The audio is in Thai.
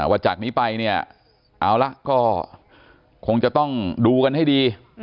ว่าจากนี้ไปเนี่ยเอาละก็คงจะต้องดูกันให้ดี